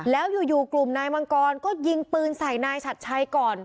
แล้วอยู่กลุ่มนายมังกรก็ยิงปืนใส่นายชัดชัยก่อน